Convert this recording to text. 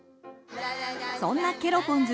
そんなケロポンズ